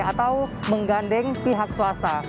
atau mengganding pihak swasta